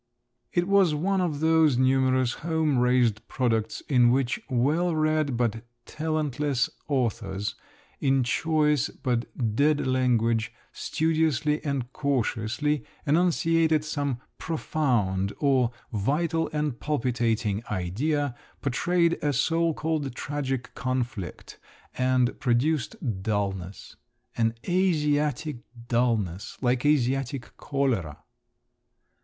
It was one of those numerous home raised products in which well read but talentless authors, in choice, but dead language, studiously and cautiously enunciated some "profound" or "vital and palpitating" idea, portrayed a so called tragic conflict, and produced dulness … an Asiatic dulness, like Asiatic cholera.